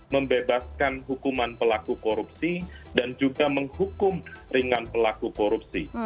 membebaskan hukuman pelaku korupsi dan juga menghukum ringan pelaku korupsi